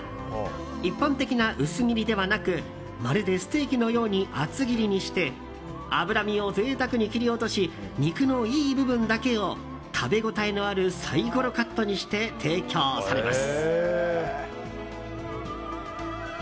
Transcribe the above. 一般的な薄切りではなくまるでステーキのように厚切りにして脂身を贅沢に切り落とし肉のいい部分だけを食べ応えのあるサイコロカットにして提供されます。